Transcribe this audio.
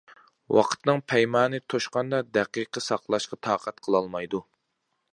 ۋاقىتنىڭ پەيمانى توشقاندا دەقىقە ساقلاشقا تاقەت قىلالمايدۇ.